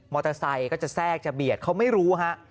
ไซค์ก็จะแทรกจะเบียดเขาไม่รู้ฮะ